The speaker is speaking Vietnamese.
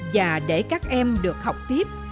và để các em được học tiếp